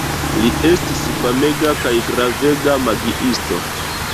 Li estis famega kaj gravega magiisto.